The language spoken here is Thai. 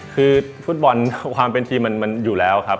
คือฟุตบอลความเป็นทีมมันอยู่แล้วครับ